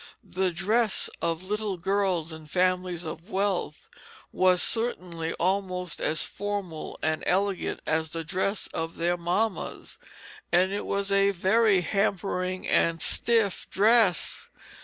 The dress of little girls in families of wealth was certainly almost as formal and elegant as the dress of their mammas, and it was a very hampering and stiff dress.